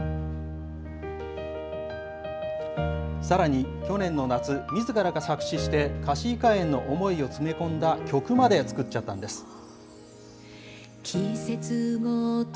さらに、去年の夏、みずからが作詞して、かしいかえんの思いを詰め込んだ曲まで作っちゃったんです。